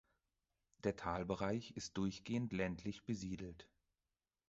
Der Talbereich ist durchgehend ländlich besiedelt.